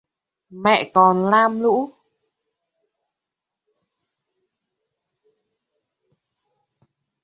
Mẹ còn lam lũ